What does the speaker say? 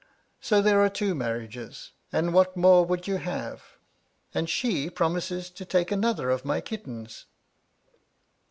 So there are ' two marriages, and what more would you have ? And ' she promises to take another of my kittens.